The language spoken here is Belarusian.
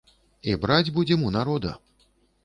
І браць будзем у народа.